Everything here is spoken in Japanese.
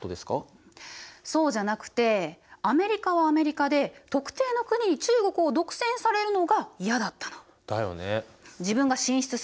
そうじゃなくてアメリカはアメリカで特定の国に中国を独占されるのが嫌だったの。だよね。